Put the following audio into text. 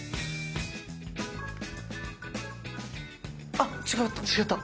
あ違った違った。